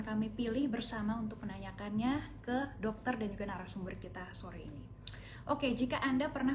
kami pilih bersama untuk menanyakannya ke dokter dan juga narasumber kita sore ini oke jika anda pernah